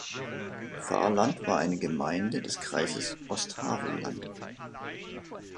Fahrland war eine Gemeinde des Kreises Osthavelland.